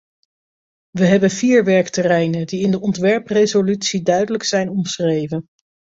We hebben vier werkterreinen, die in de ontwerpresolutie duidelijk zijn omschreven.